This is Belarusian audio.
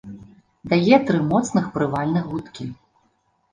Дае тры моцных прывальных гудкі.